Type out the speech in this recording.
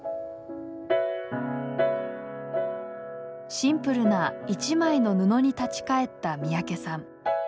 シンプルな「一枚の布」に立ち返った三宅さん。